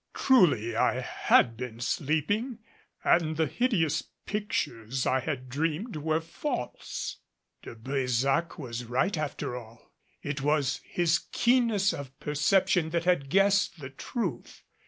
Truly I had been sleeping and the hideous pictures I had dreamed were false, De Brésac was right after all; it was his keenness of perception that had guessed the truth.